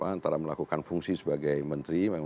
antara melakukan fungsi sebagai menteri